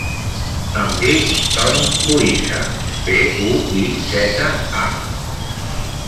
Em dic Ton Buiza: be, u, i, zeta, a.